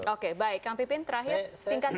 oke baik kang pipin terakhir singkat saja